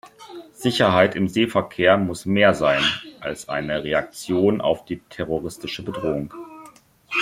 Sicherheit im Seeverkehr muss mehr sein als eine Reaktion auf die terroristische Bedrohung.